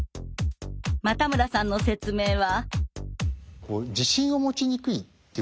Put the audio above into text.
又村さんの説明は。